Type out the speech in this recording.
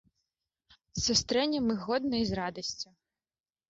Сустрэнем іх годна і з радасцю.